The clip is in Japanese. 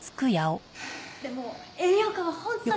でも栄養価は本当に。